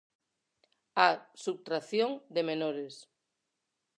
A subtracción de menores.